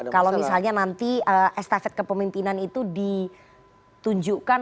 kalau misalnya nanti estafet kepemimpinan itu ditunjukkan